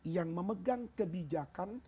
yang memegang kebijakan